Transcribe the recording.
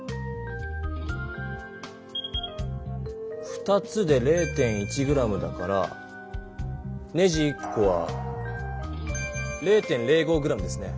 ２つで０．１ｇだからネジ１こは０．０５ｇですね。